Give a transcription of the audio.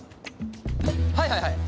はいはいはい。